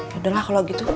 ya udah lah kalau gitu